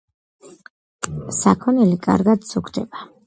საქონელი კარგად სუქდება.